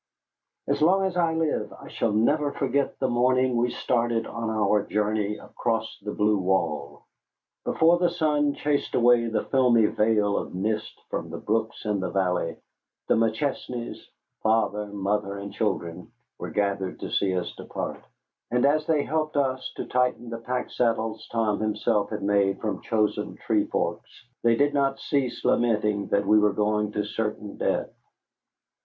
As long as I live I shall never forget the morning we started on our journey across the Blue Wall. Before the sun chased away the filmy veil of mist from the brooks in the valley, the McChesneys, father, mother, and children, were gathered to see us depart. And as they helped us to tighten the packsaddles Tom himself had made from chosen tree forks, they did not cease lamenting that we were going to certain death.